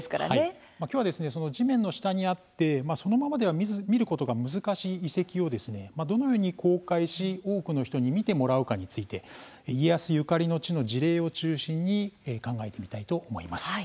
今日は、地面の下にあってそのままでは見ることが難しい遺跡をどのように公開し多くの人に見てもらうかについて家康ゆかりの地の事例を中心に考えてみたいと思います。